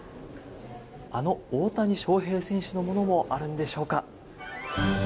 あの大谷翔平選手のものもあるんでしょうか。